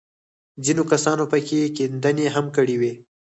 ځينو کسانو پکښې کيندنې هم کړې وې.